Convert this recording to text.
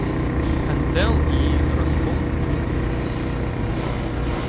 Ентелл її разком дмухнув